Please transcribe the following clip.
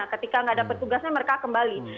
ketika nggak ada petugasnya mereka kembali